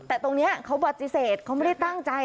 แต่ตรงนี้เขาปฏิเสธเขาไม่ได้ตั้งใจ